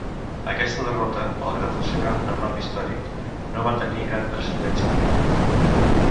Aquesta derrota, malgrat el seu gran renom històric, no va tenir gran transcendència militar.